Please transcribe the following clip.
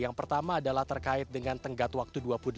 yang pertama adalah terkait dengan tenggat waktu dua puluh delapan